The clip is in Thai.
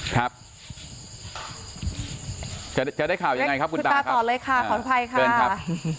ครับจะได้ข่ายังไงครับคุณตาครับคุณตาตอบเลยค่ะขอโทษภัยค่ะเกินครับ